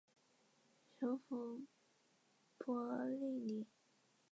首府帕利尼。